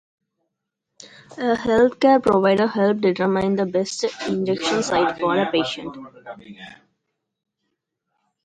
A healthcare provider helps determine the best injection site for a patient.